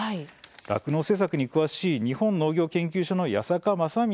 酪農政策に詳しい日本農業研究の矢坂雅充